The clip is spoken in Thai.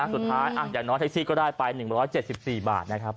สุดท้ายอย่าน้อยเท็กซี่ก็ได้ไป๑๗๔บาทนะครับ